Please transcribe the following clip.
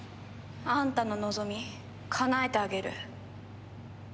あんたの望みかなえてあげる。